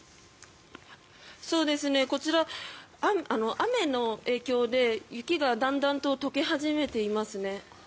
こちら、雨の影響で雪がだんだんと解け始めていますね。